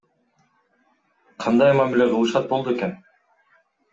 Кандай мамиле кылышат болду экен?